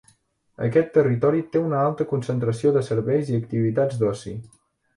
Aquest territori té una alta concentració de serveis i activitats d’oci.